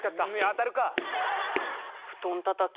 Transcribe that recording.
当たるか！